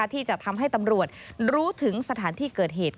ที่จะทำให้ตำรวจรู้ถึงสถานที่เกิดเหตุ